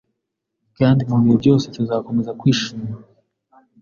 Kandi mu bihe byose tuzakomeza kwishima